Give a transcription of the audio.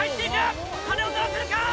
鐘を鳴らせるか？